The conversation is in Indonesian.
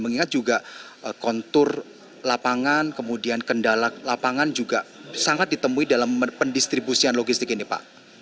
mengingat juga kontur lapangan kemudian kendala lapangan juga sangat ditemui dalam pendistribusian logistik ini pak